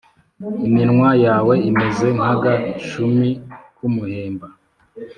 Iminwa yawe imeze nk’agashumi k’umuhemba,